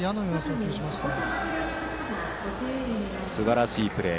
すばらしいプレー。